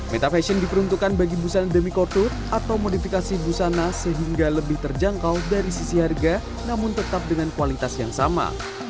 metafashion diperuntukkan bagi busana demi kortur atau modifikasi busana sehingga lebih terjangkau dari sisi harga namun tetap dengan kualitas yang sama